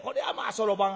そろばん